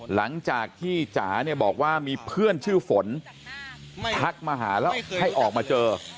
หลังจากที่จ๋าเนี่ยบอกว่ามีเพื่อนชื่อฝนทักมาหาแล้วให้ออกมาเจอ